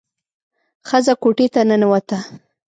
ښځه کوټې ته ننوته.